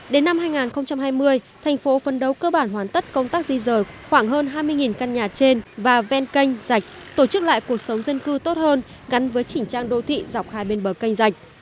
đến năm hai nghìn hai mươi thành phố phân đấu cơ bản hoàn tất công tác di rời khoảng hơn hai mươi căn nhà trên và ven canh rạch tổ chức lại cuộc sống dân cư tốt hơn gắn với chỉnh trang đô thị dọc hai bên bờ canh rạch